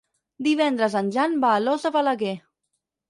Divendres en Jan va a Alòs de Balaguer.